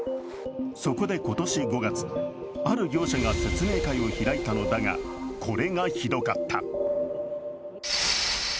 そこで今年５月ある業者が説明会を開いたのだが、これがひどかった。